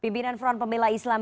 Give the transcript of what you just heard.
pemimpinan front pemila islam